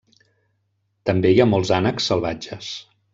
També hi ha molts ànecs salvatges.